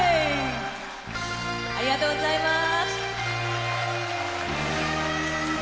ありがとうございます。